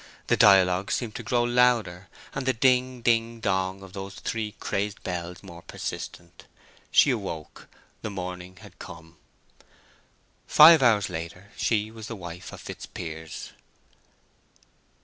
The dialogues seemed to grow louder, and the ding ding dong of those three crazed bells more persistent. She awoke: the morning had come. Five hours later she was the wife of Fitzpiers.